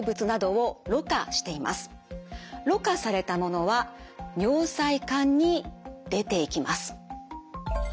ろ過されたものは尿細管に出ていきます。